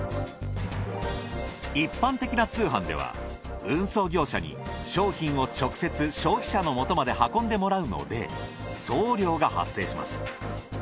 一般的な通販では運送業者に商品を直接消費者のもとまで運んでもらうので送料が発生します。